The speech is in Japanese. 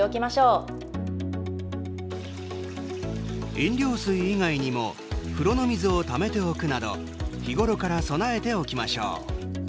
飲料水以外にも風呂の水をためておくなど日ごろから備えておきましょう。